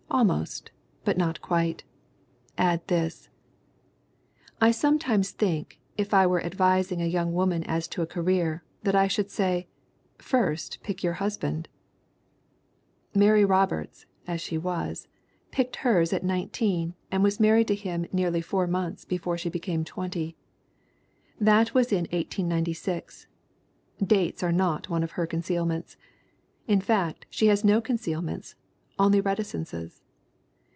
Almost, but not quite. Add this: "I sometimes think, if I were advising a young woman as to a career, that I should say : 'First pick your husband/ ' Mary Roberts (as she was) picked hers at nine teen and was married to him nearly four months before she became twenty. That was in 1896; dates are not one of her concealments. In fact, she has no concealments, only reticences.